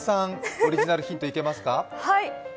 オリジナルヒントいけますか？